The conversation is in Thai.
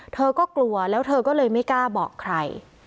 เธอก็กลัวแล้วเธอก็เลยไม่กล้าบอกใคร